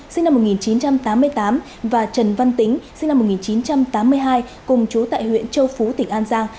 sinh năm một nghìn chín trăm tám mươi tám và trần văn tính sinh năm một nghìn chín trăm tám mươi hai cùng chú tại huyện châu phú tỉnh an giang